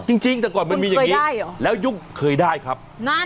จริงจริงแต่ก่อนมันมีอย่างงี้คุณเคยได้เหรอแล้วยุคเคยได้ครับนั่น